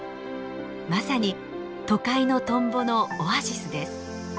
まさに都会のトンボのオアシスです。